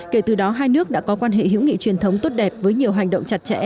kể từ đó hai nước đã có quan hệ hữu nghị truyền thống tốt đẹp với nhiều hành động chặt chẽ